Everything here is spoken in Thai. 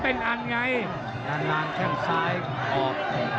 เผ่าฝั่งโขงหมดยก๒